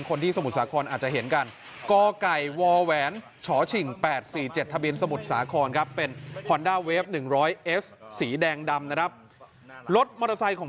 คนที่สมุทรสาครอาจจะเห็นกัน